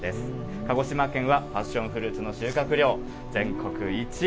鹿児島県はパッションフルーツの収穫量、全国１位。